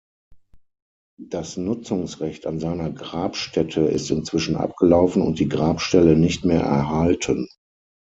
Das Nutzungsrecht an seiner Grabstätte ist inzwischen abgelaufen und die Grabstelle nicht mehr erhalten.